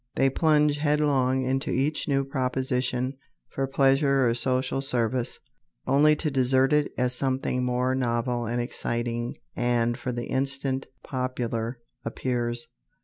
They plunge headlong into each new proposition for pleasure or social service only to desert it as something more novel and exciting and, for the instant, popular, appears.